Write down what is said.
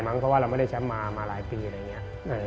เพราะเราไม่ได้แชมป์มาหลายปี